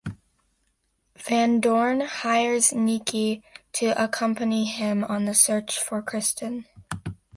Van Dorn hires Niki to accompany him on the search for Kristen.